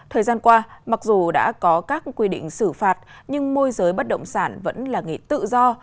thời gian qua mặc dù đã có các quy định xử phạt nhưng môi giới bất động sản vẫn là nghị tự do